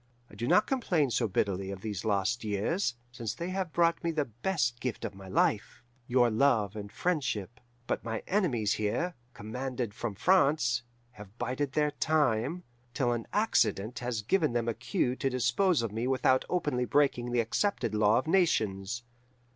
I do not complain so bitterly of these lost years, since they have brought me the best gift of my life, your love and friendship; but my enemies here, commanded from France, have bided their time, till an accident has given them a cue to dispose of me without openly breaking the accepted law of nations.